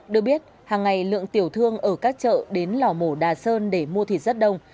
được biết hàng ngày lượng tiểu thương ở các chợ đến lò mổ đà sơn để mua thịt rất đông